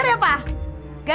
maksudku ada yang tidak